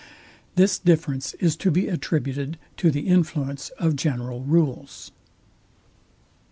This difference is to be attributed to the influence of general rules.